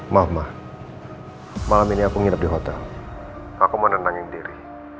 maaf ma malam ini aku ngidap di hotel aku mau nendangin diri